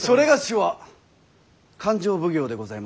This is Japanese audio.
某は勘定奉行でございます。